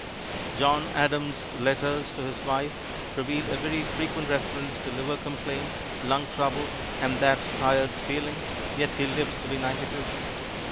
John Adams' letters to his wife reveal a very frequent reference to liver complaint, lung trouble, and that tired feeling, yet he lived to be ninety two.